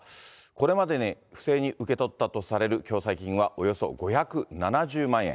これまでに不正に受け取ったとされる共済金はおよそ５７０万円。